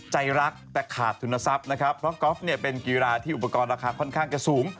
ใจรักแต่ขาดทุนทรัพย์นะครับเพราะกอล์ฟเนี่ยเป็นกีฬาที่อุปกรณ์ราคาค่อนข้างจะสูง